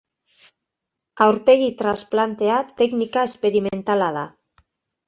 Aurpegi transplantea teknika esperimentala da.